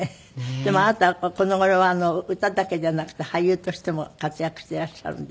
でもあなたこの頃は歌だけじゃなくて俳優としても活躍していらっしゃるんで。